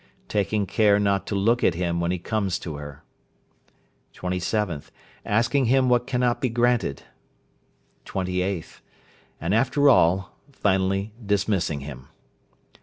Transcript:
Taking care not to look at him when he comes to her. 27th. Asking him what cannot be granted. 28th. And, after all, finally dismissing him.